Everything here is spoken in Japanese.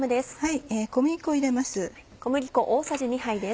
はい。